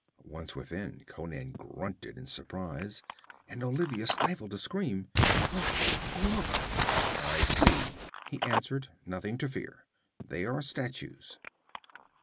Once within, Conan grunted in surprize, and Olivia stifled a scream. 'Look! Oh, look!' 'I see,' he answered. 'Nothing to fear. They are statues.'